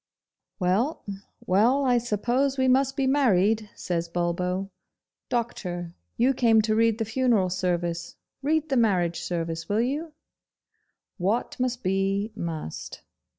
'Well, well, I suppose we must be married,' says Bulbo. 'Doctor, you came to read the Funeral Service read the Marriage Service, will you? What must be, must.